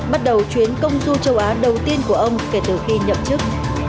bắt đầu chuyến công du châu á đầu tiên của ông kể từ khi nhậm chức